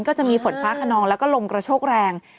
ก็จะมีฝนฟ้าขนองแล้วก็ลมกระโชกแรง